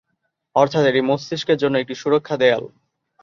অর্থাৎ এটি মস্তিষ্কের জন্য একটি সুরক্ষা দেয়াল।